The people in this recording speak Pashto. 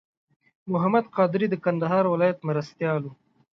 محمد قادري د کندهار ولایت مرستیال و.